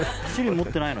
持ってないの？